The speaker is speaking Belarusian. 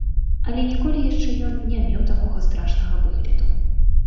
Але ніколі яшчэ ён не меў такога страшнага выгляду.